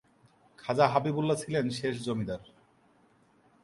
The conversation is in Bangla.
খাজা হাবিবুল্লাহ ছিলেন শেষ জমিদার।